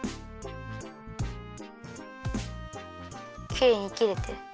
きれいにきれてる。